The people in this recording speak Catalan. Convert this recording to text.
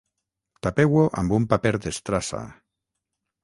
Tapeu-ho amb un paper d'estrassa